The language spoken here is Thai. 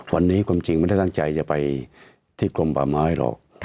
วันนี้ความจริงไม่ได้ตั้งใจจะไปที่กลมป่าไม้หรอก